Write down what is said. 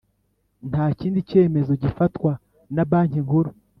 Nta kindi cyemezo gifatwa na banki nkuru